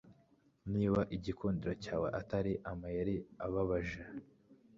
Niba igikundiro cyawe atari amayeri ababaje